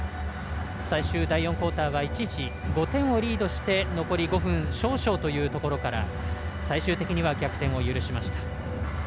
最終第４クオーターは一時５点をリードして残り５分少々というところから最終的には逆転を許しました。